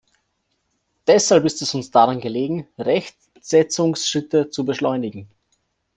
Deshalb ist es uns daran gelegen, Rechtsetzungsschritte zu beschleunigen.